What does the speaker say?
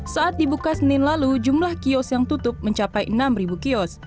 saat dibuka senin lalu jumlah kios yang tutup mencapai enam kios